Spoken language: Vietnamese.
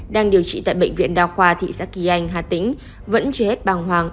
đang điều trị tại bệnh viện đa khoa thị xã kỳ anh hà tĩnh vẫn chưa hết bàng hoàng